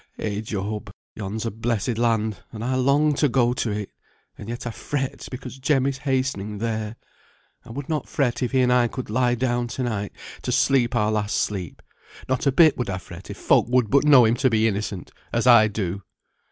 Eh, Job, yon's a blessed land, and I long to go to it, and yet I fret because Jem is hastening there. I would not fret if he and I could lie down to night to sleep our last sleep; not a bit would I fret if folk would but know him to be innocent as I do."